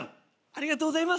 ありがとうございます。